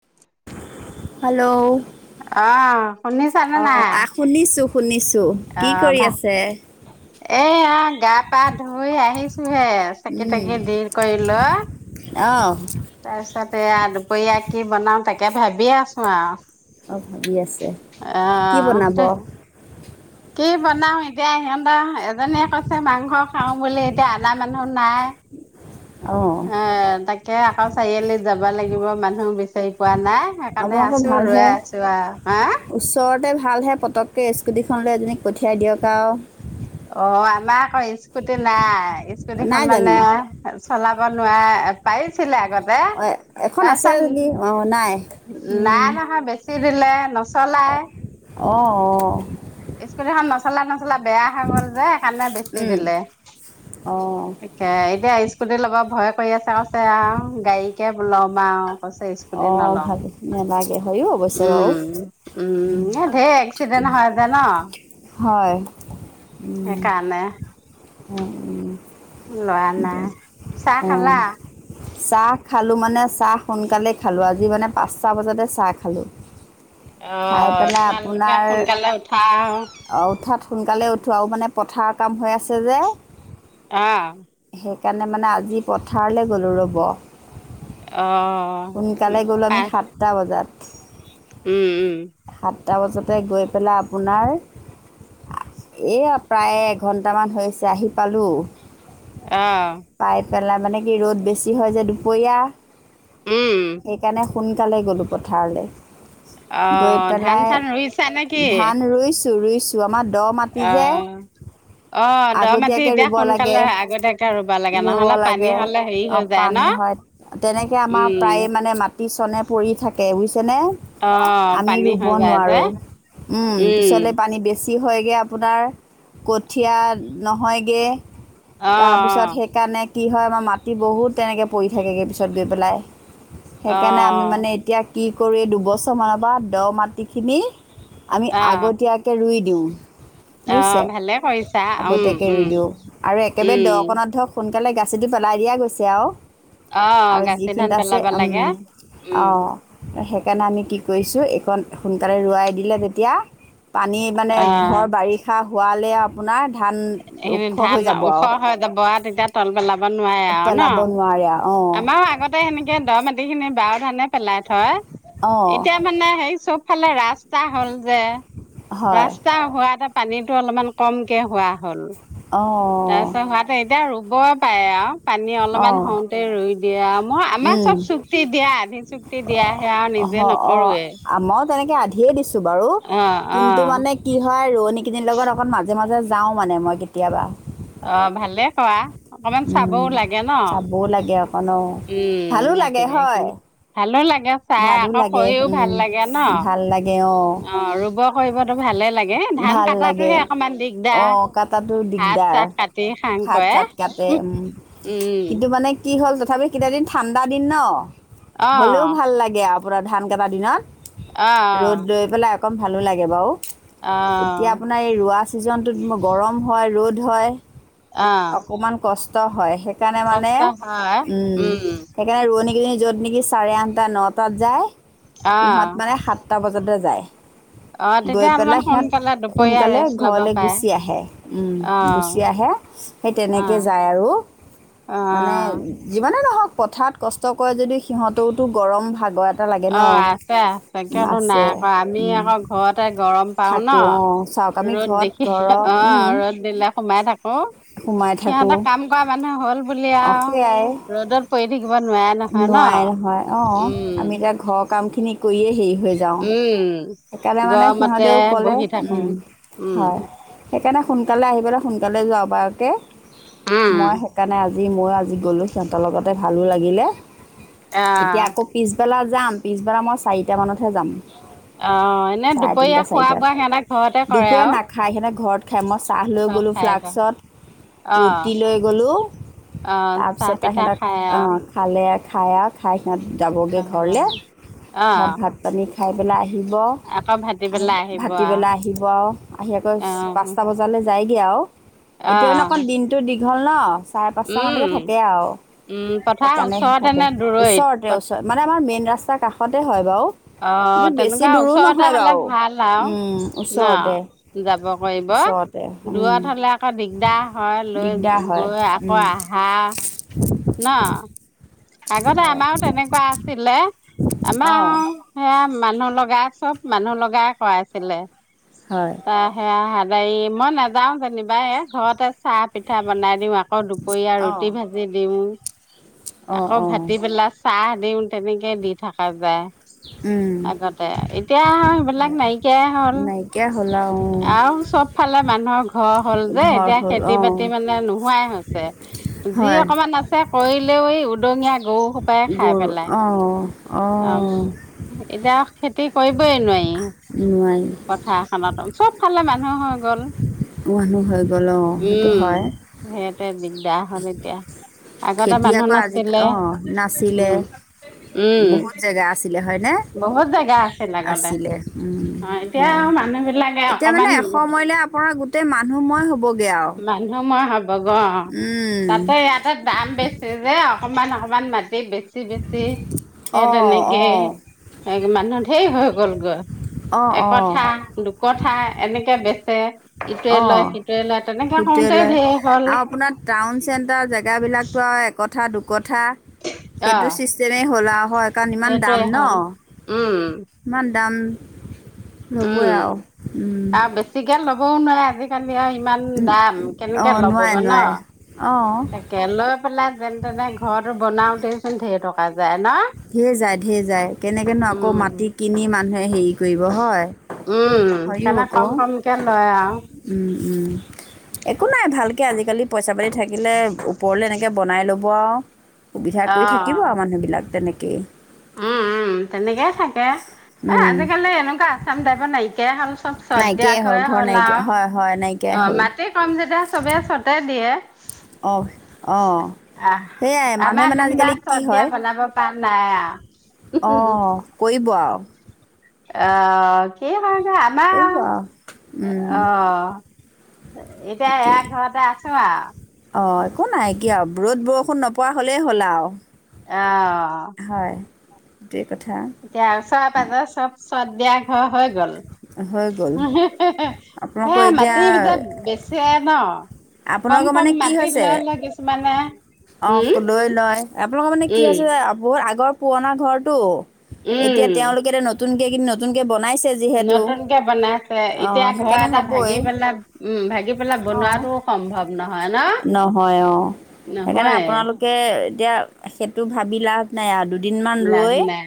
[unintelligible] Hello. আহ শুনিছানে নাই। শুনি ছো। অ ভ এ আ গা পা ধুই আহিছো। আহিছোহে চাকি তাকি দেৰি কৰিলৈ। অহঁ তাৰ পিছতে এয়া দুপৰীয়া কি বনাও তাকে। তাকে ভাবিয় আছো আও। অ ভাবি আছে কি বনাব। অ কি বনাও এতিয়া হেম। এজনীয়ে কৈছে মাংস্ অ বুলিলে এতিয়া আল মানুহ নাই। অ এ তাকে আকৌ। চাৰিআলি যাব লাগিব মানুহ বিচাৰি পোৱা নাই। সেইকাৰণে আপোনালোকৰ আছো ভালহে ৰৱে আছো আও হা। ওচৰতে ভালহে পটককৈ স্কুটিখন লৈ এজনীক পঠিয়াই দিয়ক আও। অ আমাৰ আকৌ স্কুটি নাই। নাই স্কটখন মানে। জানো চলাব নোৱাৰাৰে পাৰিছিলে আগতে। অ এখন আছে তাৰপিছত নেকি অ নাই উম নাই নহয় বেছি দিলে নচলাই। অহঁ অহঁ। চাল ন। চলা বেয়া হৈ গল যে সেইকাৰণে বেচি উম দিলে অ এতিয়া এতিয়া স্কুটি ল'ব ভয় কৰি আছে কৈছে আও গাডীকে ল'ম আও কৈছে অ স্কুটি নলওঁ ভাবি নেলাগে উম উম ঢেৰ এক্সিডেণ্ট হয় জানা হয় উম সেইকাৰণে অ লোৱা নাই চাহ অ খালা অ চাহ খালোঁ মানে চাহ সোনকালে খালোঁ আজি মানে পাঁচটা বজাতে চাহ খালোঁ অ খাই পেলাই তোমালোকে আপোনাৰ সোনকালে উঠা অ, উঠাত সোনকালে উঠোঁ আৰু মানে পথাৰ কাম হৈ আছে যে অহ সেইকাৰণে মানে আজি পথাৰলৈ গ'লোঁ ৰ'ব অ সোনকালে গ'লো আমি সাতটা বজাত উম উম সাতটা বজাতে গৈ পেলাই আপোনাৰ এইয়া প্ৰায় এঘণ্টামান হৈছে আহি পালোঁ অহ পাই পেলাই মানে কি ৰ'দ বেছি হয় যে দুপৰীয়া উম সেইকাৰণে সোনকালে গ'লোঁ পথাৰলৈ গৈ আহ ধান পেলাই চান ৰুইছা ধান ৰুইছো ৰুইছো ক্ৰ মাম অ অ দ মাটি আগতীয়াকৈ এতিয়া ৰুব লাগে সোনকালে আগতীয়াকে ৰুব লাগে ৰুব নহলে পানী লাগে হলে হেৰি হৈ যায় ন উম প্ৰায়ে মানে মাটি চনে পৰি থাকে কেনে অ আমি পানী ৰুব হৈ যায় যে নোৱাৰোঁ উম পিছলৈ পানী বেছি কি হয়গৈ আপোনাৰ কঠীয়া নহয়গে অ তাৰপিছত সেইকাৰণে কি হয় আমাৰ মাটি বহুত তেনেকৈ পৰি থাকেগে পিছত গৈ পেলাই অ অ সেইকাৰণে আমি মানে এতিয়া কি কৰোঁ এই দুবছৰমানৰ পৰা দ মাটিখিনি আমি আহ আগতীয়াকে ৰুই দিওঁ আহ বুইছে ভালে কৰিছা উম আগতীয়াকে উম ৰুই দিওঁ আৰু একেবাৰে উম দকনত ধৰক সোন মানে গাচীটো পেলাই দিয়া গৈছে আৰু অ আৰু গাচি ধান যিখিনিত আছে পেলাব লাগে উম উম অঁ সেইকাৰণে আমি কি কৰিছোঁ এইখন সোনকালে ৰৱাই দিলে তেতিয়া পানী মানে ভৰ বাৰিষা হোৱালে আৰু আপোনাৰ ধান সিন ওখ ধান হৈ যাব ওখ আৰু হয় তি বৰা তেতিয়া তল পেলাব নোৱাৰে আৰু ন পেলাব নোৱাৰে আৰু আমাৰো অঁ আগতে সেনে কে দ মাটি খিনি বাৰ ধানে পেলাই থয় অঁ এতিয়া মানে সেই চব ফালে ৰাস ৰাস্তা হ'ল যে হয় ৰাস্তা হোৱা এটা পানীটো অলপমান কমকৈ হোৱা হল অঁ তাৰপিছত হোৱোতে এতিয়া আৰু বৰ পায় আৰু পানী অঁ অলপমান হওঁতে ৰুই দিয়ে আৰু মই আমাৰ উম চব চুক্তি দিয়া আধি চুক্তি দিয়াহে আৰু নিজে নকৰোৱে ধ দিছো বাৰু অ অ কিন্তু মানে কি হয় ৰোৱনী কিনিৰ লগত অকণ মাজে মাজে যাওঁ মানে মই কেতিয়াবা অ ভালে কোৱা অকমান উম, চাবও লাগে ন চাবও লাগে অকণ অ উম ভালো লাগে মতিবাৰী হয় খিনি ভালো লাগে চাই ভালো আকৌ লাগে কৰিও ভাল উম, লাগে ন ভাল লাগে অ ৰুব কৰিবতো ভালে লাগে ধান ভাল লাগে কটাটোহে অকমান অ দিগদাৰ। কটাতো হাত দিগদাৰ চাত কাটি খাং খাত কৰে চাত কাটে উম, উম কিন্তু মানে কি হ'ল তথাপি কেইটাদিন ঠাণ্ডা দিন ন হলেও অ', ভাল লাগে পূৰা ধান কাটা দিনত ৰ'দ অ', লৈ পেলাই কম ভালো লাগে বাৰু এতিয়া অ', আপোনাৰ এই ৰোৱা ছিজনটোত মোৰ গৰম হয় ৰ'দ হয় অ', অকণমান কষ্ট কষ্ট হয় শে সেইকাৰণে মানে কষ্ট হয় উম উম, সেইকাৰণে ৰোৱনীক যত নেকি চাৰে আঠটা নটাত যায় সিহঁত অ', মানে সাতটা বজাতে যায় অ' গৈ তেতিয়া অলপমান পেলাই সিহঁত সোনকালে দুপৰীয়া সোনকালে ৰেষ্ট ল'ব ঘৰলৈ পাৰে। গুচি আহে। উম, গুচি অ', আহে সেই তেনেকৈ অ', যায় আৰু মানে অ', যিমানেই নহওঁক। পথাৰত কষ্ট কৰে যদি সিহঁতেওতো গৰম ভাগত অ' আছে, আছে কিয়নো নাই আকৌ আমি আকৌ ঘৰতে গৰম পাওঁ ন থাকোঁ অঁ চাওক আমি ৰ'দ ঘৰত দেখি ঘৰৰ অ' ৰ'দ দিলে সোমাই থাকো সোমাই থাকোঁ সিহঁতে কাম কৰা মানুহ হ'ল বুলি অঁ আৰু সেয়াই ৰ'দত পৰি থাকিব। নোৱাৰে নহয় ন নোৱাৰে নহয় অ' উম আমি এতিয়া ঘৰত কাম খিনি কৰিয়ে সেই উম সেইকাৰণে মানে গৰমতে সিহতেওঁ ক'লে বহি থাকো উম উম হয় সেইকাৰণে। সোনকালে আহি পেলাই সোনকালে যাব পাৰাকে। উম মই সেইকাৰণে আজি [unintelligible] গ'লে সিহঁতৰ লগতে ভালো লাগে। [unintelligible] এতিয়া অ' আকৌ পিছবেলা যাম, পিছবেলা মই চাৰিটামানতহে যাম। অ' এনে চাৰে দুপৰীয়া তিনিটা, খোৱা চাৰিটাত। বোৱা সিহঁতে ঘৰতে কৰে দুপৰীয়া আৰু নাখায় সিহঁতে ঘৰত খাই মই চাহ লৈ ঘৰত গ'লোঁ খাই ক ফ্লাক্সত ৰুটি অ' লৈ গ'লোঁ অ' চাহ তাৰপিছত পিঠা তেহেতে খাই আৰু খালে, খাই আৰু খাই সিহঁত যাবগৈ ঘৰলে অ' ঘৰত অ' ভাত পানী খাইপেলাই আহি আহিব আকৌ ভাটিবেলা আহিব আৰু ভাতিবেলাই আহিব আৰু আহি আকৌ অ' পাঁচটা বজালৈ যায়। [unintelligible] এতিয়াও মানে অকণ অ' দিনটো দি হল ন চাৰে পাঁচটামানলৈকে উম থাকে আৰু উম পথাৰ সেইকাৰণে ওচৰতে থাকে, নে দূৰৈত ওচৰতে-ওচৰত মানে আমাৰ মেইন ৰাস্তা ছা কাষতে হয়। বাৰু অ', কিন্তু বেছি তেনেকুৱা দূৰো ওচৰতে নহয় হ'লে বাৰু ভাল আৰু। ন, ওচৰতে যাব কৰিব, ওচৰতে দূৰত হ'লে আকৌ দিগদাৰ হয় দিগদাৰ লৈ হয় গৈ আকৌ আহা। ন। আগতে হয় আমাৰো তেনেকুৱা আছিলে, আমাৰ অঁ সেয়া মানুহ লগা চব মানুহ লগাই কৰাইছিলে। হয় তাইহে আউ যাই, মই নাযাও যেনিবা এ, ঘৰতে চাহ পিঠা বনাই দিওঁ আ আকৌ দুপৰীয়া অঁ ৰুটি ভাজি দিওঁ। অঁ আকৌ অঁ ভাটি বেলা ছাহ দিওঁ। তেনেকে দি থকা যায়। আগতে, এতিয়া এইবিলাক নাইকিয়াই হ'ল, নাইকিয়া হ'ল আৰু চব ফালে মানুহৰ ঘ [unintelligible] অ হল অঁ যে, ঘৰ এতিয়া হ'ল খেতি অঁ বাতি মানে নোহোৱাই হৈছে। যি হয় অকমান আছে কৰি উ [unintelligible] দঙীয়া গৰু গৰু, পেলাই অ'। [unintelligible] এতিয়া আ খেতি কৰিবই নোৱাৰি। নোৱাৰি পথাৰ এখনত, চব ফালে মা [unintelligible] গ'ল। মানোহ হৈ গ উম, সেইটাই বিদ বেয়া হ'ল এতিয়া। আগতে খেতি মানুহ আকৌ আজি নাছিলে কা-অ', নাছিলে। উম উম বহুত জেগা আছি লে হয়নে?। বহুত জেগা আছিল আগতে আছিলে, উম, অ এতিয়া হয়। মানুহ বিলাকে এতিয়া মানে অকমান এসময়লে আপুনাৰ গোট মানুহ মই হ'বগ মানুহ মই হব গ উম, তাতে ইয়াতে দাম বেছি যে অ অকণমান অকণমান মাটি বেছি বেছি সেই অঁ তেনেকে অঁ মানুহ ঢেৰ হৈ গ'লগৈ অঁ অঁ একথা দুকথা এনেকে বেছি [inaudible] ইটোৱে লয় অঁ সিটোৱে লয় তেনেকে সেইটোৱে কৰোতে লয় ঢেৰ হ'ল আৰু আপোনাৰ টাউন চেন্টাৰ জেগা বিলাকো আৰু এক কথা দুু কথা অ', সেইটো ছিষ্টেমেই হ'ল আৰু হয় কাৰণ ইমান সেইটোৱে দাম হ'ল উম, ন', ইমান, দাম, - উম', আৰু বেছিকে ল'বও নোৱাৰে আজি, ইমান দাম কেনেকে অঁ ল'ব নোৱাৰে গ', ন নোৱাৰে অঁ ', তাকে লৈ পেলাই যেনে তেনে ঘৰটো বনাওতে চোন ধেৰ টকা, [unintelligible] ধেৰজাই ধেৰ, যাই কেনেকে ন', আকৌ উম। মাটি কিনি মানুহে হেৰি কৰিব হয়, উম হয়ও সেইকাৰণে আকৌ কম কমকে লয় আৰু। উম- উম একো নাই ভাল, কে আজিকালি, পইচা পাতি থাকিলে ওপৰলে এনেকে বনাই লব, ৱাহ, সুবিধা কৰি থাকিব অ' আৰু মানুহ বিলাক তেনেকে, কে, উম', উম ', তেনেকেই থাকে এই উম, আজিকালি এনেকুৱা আচাম টাইপৰ নাইকিয়াই হ'ল চব চদ দিয়া নাইকিয়াই হৈয়ে ঘৰ হ'ল নাইকিয়া আৰু। হয় হয় নাইকিয়াই অ', হ'ল মাটি কম যেতিয়া চবে চতে দি, কে, অহ', অ ', সেইয়াই মানুহে আমাৰ মানে যেনিবা আজিকালি কি চৰ্ট দিয়া হয়, বনাব পৰা নাই আঃ অ', কৰিব আৰু। আহ', কি ভ, এ, আমাৰ আৰু, উম, অহ, ' এতিয়া এয়া ঘৰতে আছো আৰু, অ', একো নাই কিয়া আৰু ৰ'দ বৰষুণ নপৰা হলেই হ'ল আৰু। এঅহ, ' হয়। দেত, এতিয়া আৰু ওচৰ-পাজৰ চব, চদ দিয়া ঘৰ হৈ গ'ল। হৈ গ'ল হম, হে -হে আপোনালোকৰ হেই এতিয়া মাটিৰ যে বেচে ন? কম আপোনালোকৰ -কম মাটিত লৈ লয় কিছুমান, এ, অ', লৈ লয় আপোনালোকৰ মানে কি উম হৈছে বহুত আগৰ, পুৰণা ঘৰটো, উম এতিয়া তেওঁলোকেতো নতুন, নতুনকে কি নতুনকে নতুনকে বনাইছে অঁ এতিয়া ঘৰ সেইকাৰণে এটা হ'বই ভাগি পেলাই উম ভাগি পেলাই অঁ বনোৱাটোও সম্ভৱ নহয় ন নহয় অ সেইকাৰণে নহয় আপোনালোকে এতিয়া সেইটো ভাবি লাভ নাই আও দুদিন মান লাভ ৰৈ নাই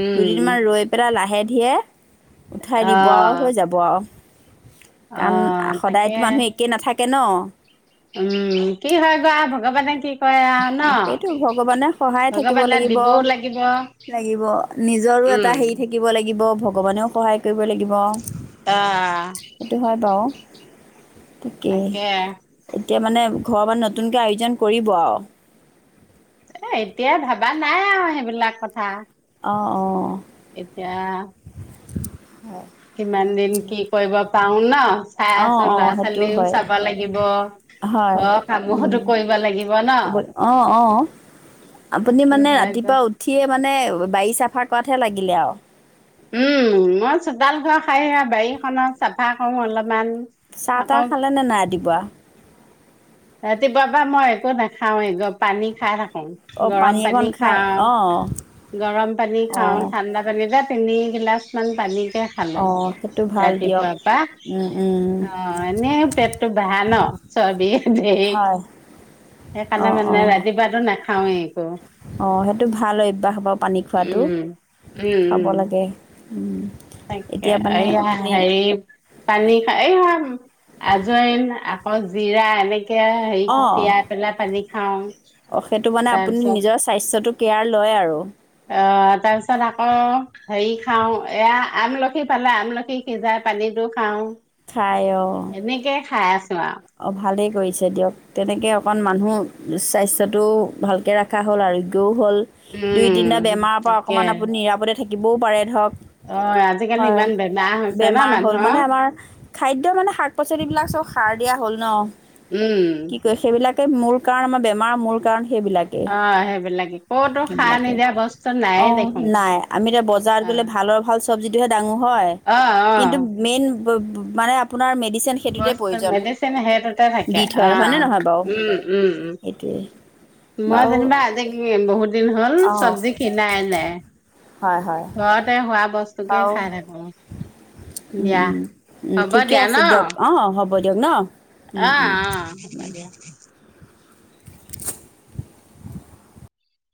উম দুদিন মান ৰৈ পেলাই লাহে লাহে ধীৰে উঠাই অ দিব আও হৈ যাব আও অ কাৰণ তাকে সদায়তো মানুহ একে নাথাকে কে ন উম কি হয় বা ভগৱানে কি কৰে আও সেইটো ভগৱানে সহায় ন থাকিব ভগৱানে লাগিব দিবও লাগিব লাগিব নিজৰো এটা উম হেৰি থাকিব লাগিব ভগৱানেও সহায় কৰিব লাগিব অ সেইটো হয় বাও তাকে এতিয়া মানে ঘৰ বা নতুনকে আয়োজন কৰিব আৰু এ এতিয়া ভাবা নাই আৰু সেইবিলাক কথা অ অ এতিয়া কিমান দিন কি কৰিব পাউ ন চাই অ আছো অ ল'ৰা সেইটো ছোৱালীও হয় হয় চাব লাগিব হয় ঘৰৰ উ কামতো কৰিব লাগিব ন কব অ অ আপুনি কি মানে হয় ৰাতিপুৱা উঠিয়ে মানে বাৰী চাফা কৰাতহে লাগিলে আও উম মই চোতাল চোতাল সাৰি আও বাৰীখনত চাফা কৰো অলপমান চাহ তাহ আকৌ খালে নে নাই ৰাতি পুৱাহ ৰাতিপুৱাবা মই একো নাখাওয়েই পানী খাই থাকো অঁ গৰম পানী অকণ খাই খাওঁ অঁ গৰম পানী খাওঁ অঁ ঠাণ্ডা পানী যে তিনি গিলাচমান পানী কে খালো অ', সেইটো ভাল দিয়ক। ৰাতিপুৱাৰ পা উম, উম, অ এনে পেটটো বেহা ন চৰ্বি ঢেই হয়। সেইকাৰণে অ', মানে অ', ৰাতিপুৱাটো না খাওৱেই একো অ সেইটো ভাল অভ্যাস বাৰু পানী খোৱাটো উম, উম, খাব উম, লাগে উম তাকে এতিয়া মানে এইয়া আপুনি হেৰি পানী খাই এইয়া আজইন আকৌ জিৰা এনেকে কে হেৰি অ', তিয়াই পেলাই পানী খাওঁ অ সেইটো মানে আপুনি তাৰপিছত নিজৰ স্বাস্থ্যটোক কেয়াৰ লয় আৰু আহ তাৰপিছত আকৌ হেৰি খাওঁ এয়া আমলখি পালে আমলখি সিজাই পানীটো খাওঁ খাই অ এনেকে খাই আছো আৰু অ ভালেই কৰিছে দে দিয়ক তেনেকৈ অকণ মানুহ স্বাস্থ্যটোও ভালকৈ ৰখা হ'ল আৰোগ্যও হ'ল দুই তিনিটা উম, বেমাৰৰ পৰা তাকে অকণমান আপুনি নিৰাপদে থাকিবও পাৰে ধৰক অ আজিকালি হয়, ইমান বেমাৰ হৈছে ন বেমাৰ হ'ল মানুহৰ মানে আমাৰ খাদ্য মানে শাক পাচলিবিলাক চব সাৰ দিয়া হ'ল ন উম তে মোৰ কাৰণে মই বেমাৰ মোৰ কাৰণে সেবিলাকে অ সেইবিলাকে ক'তো সাৰ সেবিলাকে নিদিয়া বস্তু অ নায়ে দেখোন নাই আমি এতিয়া বজাৰত অ গ'লে ভালৰ ভাল চব্জি [unintelligible] হয় অ অ কিন্তু মেইন [unintelligible] মানে আপোনাৰ মে বস্তু মেডিচিন সেইটোতে থাকে দি অ থয় হয়নে নহয় বাৰু উম উম উম সেইটোৱে মই বাৰু যেনিবা আজি বহুত দিন হ'ল অঁ চব্জি কিনাই নাই হয় হয় ঘৰতে হোৱা বস্তু তোকে বাৰু খাই থাকো, দিয়া হ'ব দিয়া ন। অ' হ'ব দিয়ক ন। অ'অ' হব দিয়া।